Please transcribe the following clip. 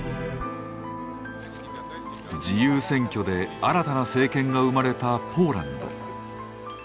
自由選挙で新たな政権が生まれたポーランド。